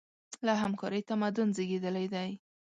له همکارۍ تمدن زېږېدلی دی.